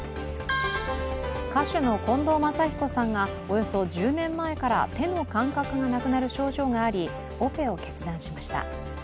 歌手の近藤真彦さんがおよそ１０年前から手の感覚がなくなる症状があり、オペを決断しました。